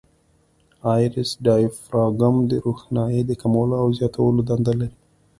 آیرس ډایفراګم د روښنایي د کمولو او زیاتولو دنده لري.